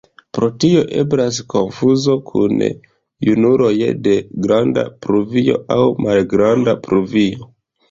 Pro tio eblas konfuzo kun junuloj de Granda pluvio aŭ Malgranda pluvio.